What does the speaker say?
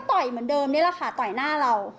เหมือนเดิมนี่แหละค่ะต่อยหน้าเรา